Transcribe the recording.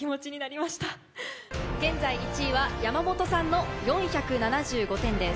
現在１位は山本さんの４７５点です。